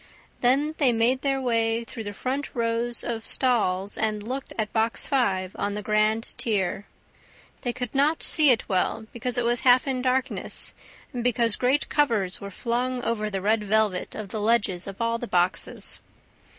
Then they made their way through the front rows of stalls and looked at Box Five on the grand tier, They could not see it well, because it was half in darkness and because great covers were flung over the red velvet of the ledges of all the boxes.